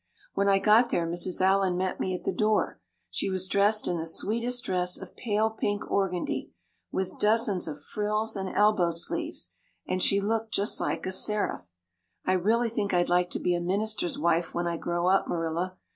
When I got there Mrs. Allan met me at the door. She was dressed in the sweetest dress of pale pink organdy, with dozens of frills and elbow sleeves, and she looked just like a seraph. I really think I'd like to be a minister's wife when I grow up, Marilla.